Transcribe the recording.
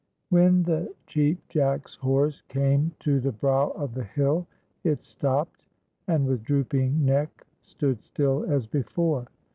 WHEN the Cheap Jack's horse came to the brow of the hill, it stopped, and with drooping neck stood still as before.